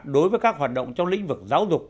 đối với các hoạt động trong lĩnh vực giáo dục